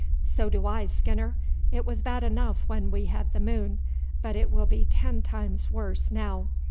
"So do I, Skinner. It was bad enough when we had the moon, but it will be ten times worse now.